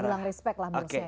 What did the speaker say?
udah bilang respect lah